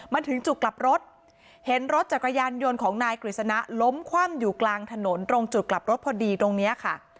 มาถึงจุดกลับรถเห็นรถจักรยานยนต์ของนายกฤษณะล้มคว่ำอยู่กลางถนนตรงจุดกลับรถพอดีตรงนี้ค่ะ